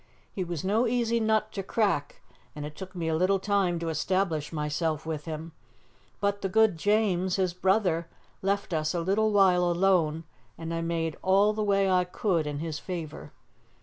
He was no easy nut to crack, and it took me a little time to establish myself with him, but the good James, his brother, left us a little while alone, and I made all the way I could in his favour.